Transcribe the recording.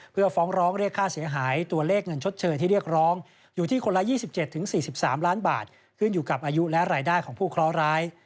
เพื่อฟ้องร้องเรียกค่าเสียหายตัวเลขเงินชดเชยที่เรียกร้องอยู่ที่คนละ๒๗๔๓ล้านบาทขึ้นอยู่กับอายุและรายได้ของผู้เคราะห์ร้าย